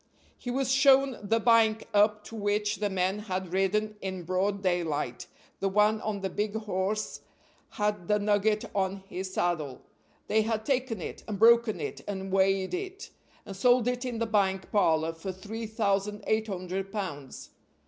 He was shown the bank up to which the men had ridden in broad daylight; the one on the big horse had the nugget on his saddle; they had taken it, and broken it, and weighed it, and sold it in the bank parlor for three thousand eight hundred pounds.